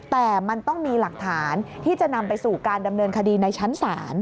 แต่มันต้องมีหลักฐานที่จะนำไปสู่การดำเนินคดีในชั้นศาล